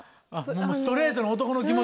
ストレートな男の気持ちだ。